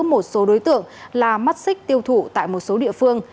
một số đối tượng là mắt xích tiêu thụ tại một số địa phương